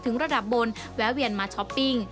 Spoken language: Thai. ระดับบนแวะเวียนมาช้อปปิ้ง